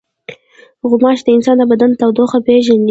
غوماشې د انسان د بدن تودوخه پېژني.